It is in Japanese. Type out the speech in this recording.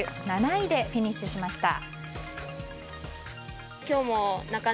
７位でフィニッシュしました。